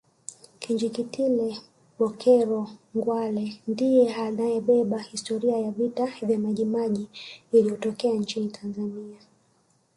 Kinjekitile Bokero Ngwale ndiye anayebeba historia ya vita vya majimaji iliyotokea nchini Tanzania